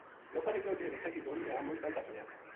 لوکاں نے کیہو جے رچھاں کی جوڑی نے ہم مچ تنگ کر چھڑیا